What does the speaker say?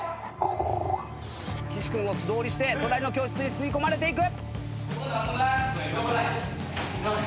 岸君を素通りして隣の教室に吸い込まれていく。